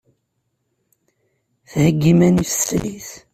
Thegga iman-is teslit.